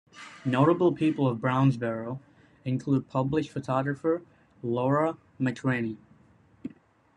Notable people of Brownsboro include published photographer, Laura McCranie.